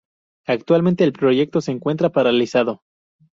Actualmente el proyecto se encuentra paralizado.